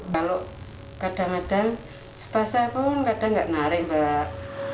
kalau kadang kadang sepasah pun kadang nggak narik mbak